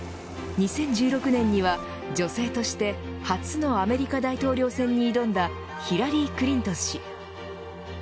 ２０１６年には女性として初のアメリカ大統領戦に挑んだヒラリー・クリントン氏。